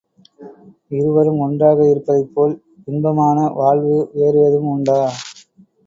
இருவரும் ஒன்றாக இருப்பதைப் போல் இன்பமான வாழ்வு வேறு எதுவும் உண்டா?